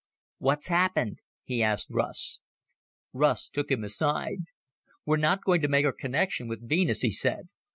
"What's happened?" he asked Russ. Russ took him aside. "We're not going to make our connection with Venus," he said.